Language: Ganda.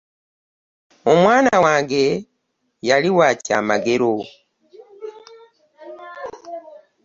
Omwana wange yali wakyamagero.